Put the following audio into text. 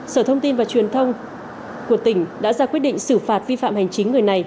sở thông tin và truyền thông của tỉnh đã ra quyết định xử phạt vi phạm hành chính người này